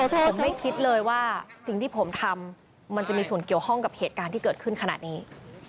ผมไม่คิดเลยว่าสิ่งที่ผมทำมันจะมีส่วนเกี่ยวข้องกับเหตุการณ์ที่เกิดขึ้นขนาดนี้